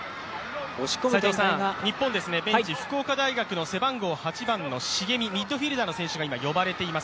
日本ベンチ、背番号８の重見、ミッドフィルダーの選手が今、呼ばれています。